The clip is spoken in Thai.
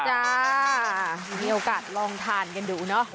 มีโอกาสลองทานกันดูเนอะ